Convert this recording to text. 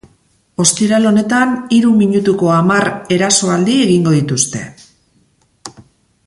Ostiral honetan hiru minutuko hamar erasoaldi egingo dituzte.